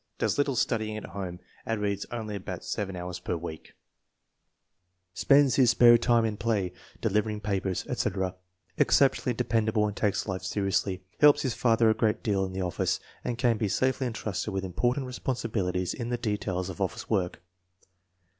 Does little studying at home and reads only about seven hours per week. Spends FORTY ONE SUPERIOR CHILDREN 197 his spare time in play, delivering papers, etc. Excep tionally dependable and takes life seriously. Helps his father a great deal in the office, and can be safely entrusted with important responsibilities in the de tails of office work.